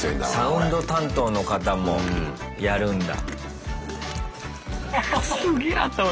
サウンド担当の方もやるんだ。